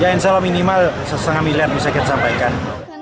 ya insya allah minimal setengah miliar bisa kita sampaikan